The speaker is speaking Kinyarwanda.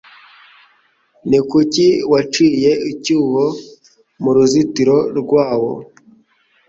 Ni kuki waciye icyuho mu ruzitiro rwawo